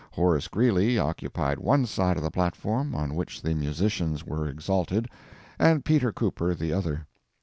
Horace Greeley occupied one side of the platform on which the musicians were exalted, and Peter Cooper the other.